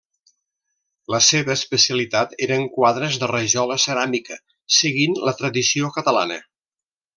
La seva especialitat eren quadres de rajola ceràmica, seguint la tradició catalana.